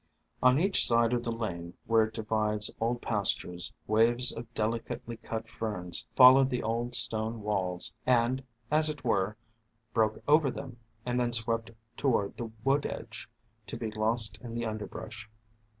On each side of the lane, where it divides old pastures, waves of delicately cut Ferns followed the old stone walls, and, as it were, broke over them, and then swept toward the wood edge, to be lost in the underbrush.